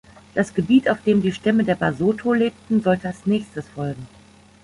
Das Gebiet, auf dem die Stämme der Basotho lebten, sollte als Nächstes folgen.